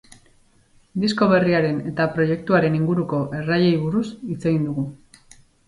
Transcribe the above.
Disko berriaren eta proiektuaren inguruko erraiei buruz hitz egin dugu.